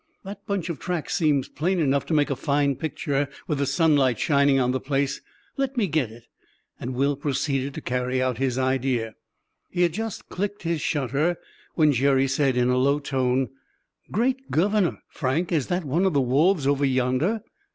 "That bunch of tracks seems plain enough to make a fine picture, with the sunlight shining on the place. Let me get it." And Will proceeded to carry out his idea. He had just "clicked" his shutter when Jerry said, in a low tone: "Great governor! Frank, is that one of the wolves over yonder?"